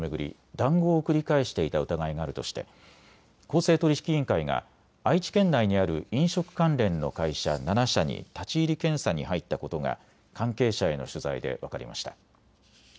談合を繰り返していた疑いがあるとして公正取引委員会が愛知県内にある飲食関連の会社７社に立ち入り検査に入ったことが関係者への取材で分かりました。